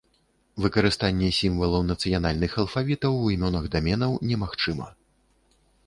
Выкарыстанне сімвалаў нацыянальных алфавітаў у імёнах даменаў немагчыма.